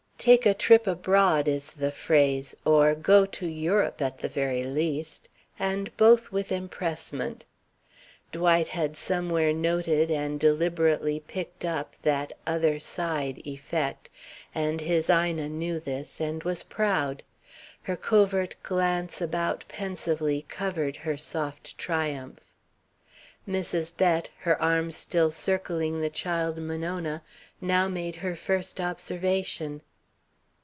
"Take a trip abroad" is the phrase, or "Go to Europe" at the very least, and both with empressement. Dwight had somewhere noted and deliberately picked up that "other side" effect, and his Ina knew this, and was proud. Her covert glance about pensively covered her soft triumph. Mrs. Bett, her arm still circling the child Monona, now made her first observation.